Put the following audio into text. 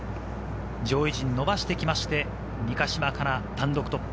上位陣、伸ばしてきて三ヶ島かなが単独トップ。